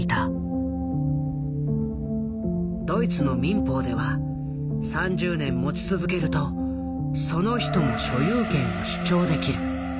ドイツの民法では３０年持ち続けるとその人も所有権を主張できる。